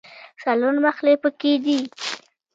څلور محلې په کې دي.